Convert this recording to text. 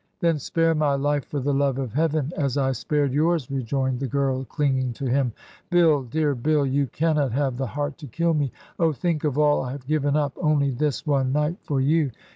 'Then spare my life, for the love of Heaven, as I spared yours,' rejoined the girl, chnging to him. 'Bill, dear Bill, you can not have the heart to kill me. OhI think of all I have given up, only this one night, for you.